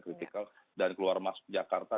kritikal dan keluar masuk jakarta